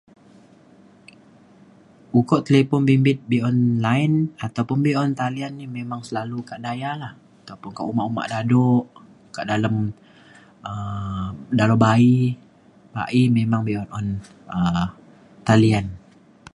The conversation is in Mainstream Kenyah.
ukok telipon bimbit be'un line ataupun be'un talian ni memang selalu ka daya lah ataupun ka uma uma dado ka dalem um dalem ba'i ba'i memang be'un um talian